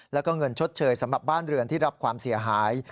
แล้วก็เงินชดเชยสำหรับบ้านเรือนที่รับความเสียหาย